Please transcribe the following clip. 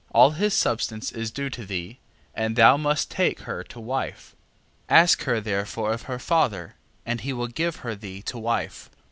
6:12. All his substance is due to thee, and thou must take her to wife. 6:13. Ask her therefore of her father, and he will give her thee to wife.